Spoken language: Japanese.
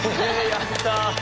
やった！